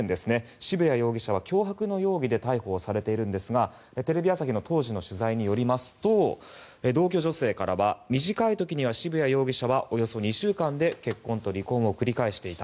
渋谷容疑者は脅迫の容疑で逮捕されているんですがテレビ朝日の当時の取材によりますと同居女性からは短い時には渋谷容疑者はおよそ２週間で結婚と離婚を繰り返していた。